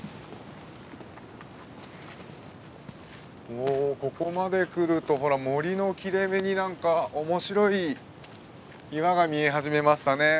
もうここまで来るとほら森の切れ目に何か面白い岩が見え始めましたね。